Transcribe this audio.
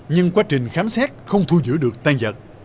nhưng quá trình khám xét không thu giữ được tăng giặc